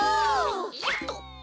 よっと。